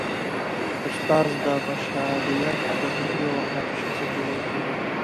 استاد د بشریت د فکري او اخلاقي شخصیت جوړوونکی دی.